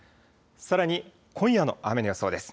さらに今夜の雨の予想です。